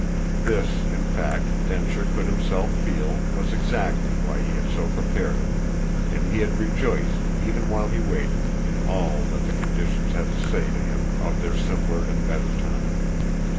This, in fact, Densher could himself feel, was exactly why he had so prepared it, and he had rejoiced, even while he waited, in all that the conditions had to say to him of their simpler and better time.